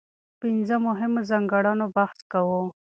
په پنځه مهمو ځانګړنو بحث کوو.